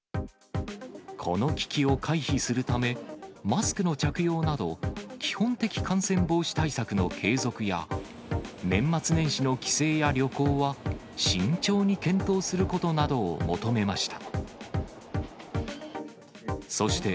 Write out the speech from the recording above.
この危機を回避するため、マスクの着用など、基本的感染防止対策の継続や、年末年始の帰省や旅行は、慎重に検討することなどを求めました。